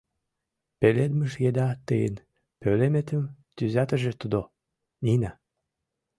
Пеледмыж еда тыйын пӧлеметым тӱзатыже тудо, Нина.